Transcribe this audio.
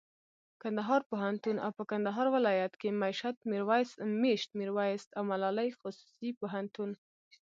کندهار پوهنتون او په کندهار ولایت کښي مېشت میرویس او ملالي خصوصي پوهنتون